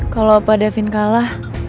kalau pak david kalah